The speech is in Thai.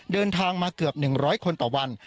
เดินทางมาเกือบ๑๐๐คนต่อวัน